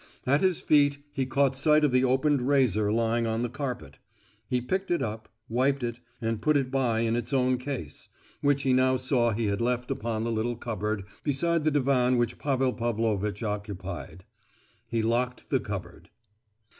At his feet he caught sight of the opened razor lying on the carpet; he picked it up, wiped it, and put it by in its own case, which he now saw he had left upon the little cupboard beside the divan which Pavel Pavlovitch occupied. He locked the cupboard.